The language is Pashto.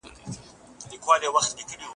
شخصیت د ستونزو په وړاندي زغم ښيي.